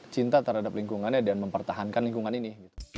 cinta terhadap lingkungannya dan mempertahankan lingkungan ini